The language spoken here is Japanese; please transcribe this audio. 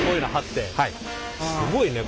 すごいね！